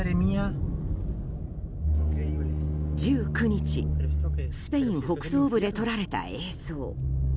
１９日、スペイン北東部で撮られた映像。